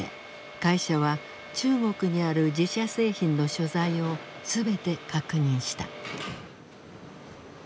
会社は中国にある自社製品の所在を全て確認した。